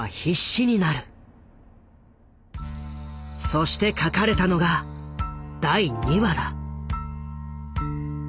そして書かれたのが第２話だ。